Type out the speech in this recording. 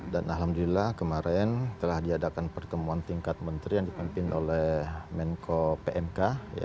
dan alhamdulillah kemarin telah diadakan pertemuan tingkat menteri yang dipimpin oleh menko pmk